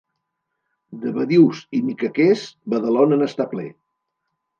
De badius i micaquers, Badalona n'està ple.